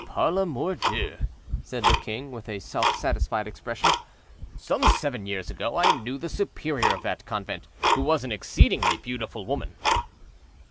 "Par la mordieu!" said the king, with a self satisfied expression, "some seven years ago I knew the superior of that convent, who was an exceedingly beautiful woman."